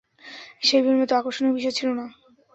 সেই ফিল্মে তো আকর্ষণীয় বিষয় ছিল না।